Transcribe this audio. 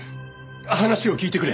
話を聞いてくれ。